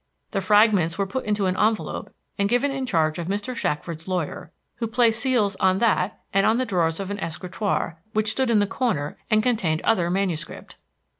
The fragments were put into an envelope and given in charge of Mr. Shackford's lawyer, who placed seals on that and on the drawers of an escritoire which stood in the corner and contained other manuscript.